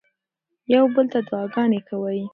یو بل ته دعاګانې کوئ.